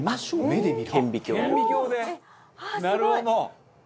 「なるほど！」